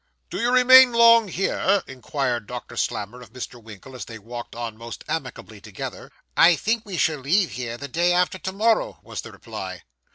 'Do you remain long here?' inquired Doctor Slammer of Mr. Winkle, as they walked on most amicably together. 'I think we shall leave here the day after to morrow,' was the reply.